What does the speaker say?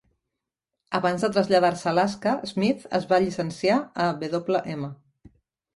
Abans de traslladar-se a Alaska, Smith es va llicenciar a Wm.